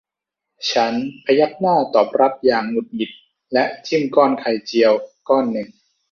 ฉันพยักหน้าตอบรับอย่างหงุดหงิดและจิ้มก้อนไข่เจียวก้อนหนึ่ง